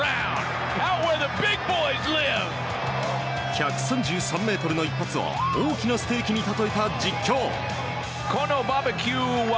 １３３ｍの一発を大きなステーキにたとえた実況。